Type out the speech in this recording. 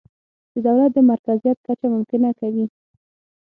د دولت د مرکزیت کچه ممکنه کوي.